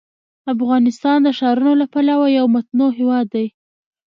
افغانستان د ښارونو له پلوه یو متنوع هېواد دی.